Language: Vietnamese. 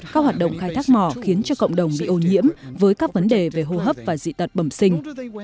các hoạt động khai thác mỏ khiến cho cộng đồng bị ô nhiễm với các vấn đề về hô hấp và dị tật bẩm sinh